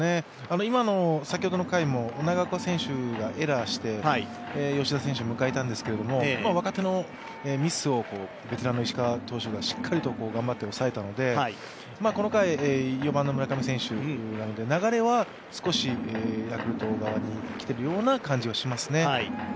先ほどの回も長岡選手がエラーして吉田選手を迎えたんですけど若手のミスをベテランの石川投手がしっかりと頑張って抑えたので、この回４番の村上選手なので流れは少しヤクルト側に来ているような感じはしますね。